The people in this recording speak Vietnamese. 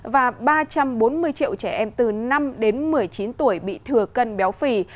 và ba trăm bốn mươi triệu trẻ em từ năm đến một mươi chín tuổi bị thừa cân béo phì